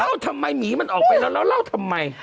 แล้วเล่าทำไมหมีมันออกไปแล้วเราเล่าทำไม